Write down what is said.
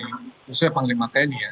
khususnya panglima teni ya